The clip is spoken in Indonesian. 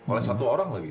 oleh satu orang lagi